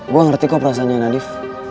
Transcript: gue ngerti kok perasaannya nadif